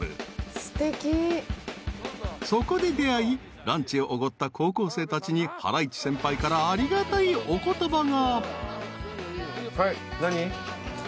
［そこで出会いランチをおごった高校生たちにハライチ先輩からありがたいお言葉が］